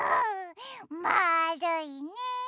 まあるいね。